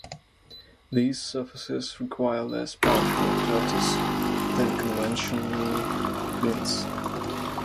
These surfaces require less powerful actuators than conventional fins.